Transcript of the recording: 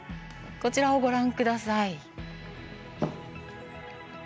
こちらをご覧ください。